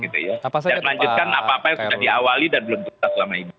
dan melanjutkan apa apa yang sudah diawali dan belum diketahui selama ini